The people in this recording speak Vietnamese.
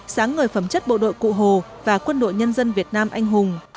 sáng ngời phẩm chất bộ đội cụ hồ và quân đội nhân dân việt nam anh hùng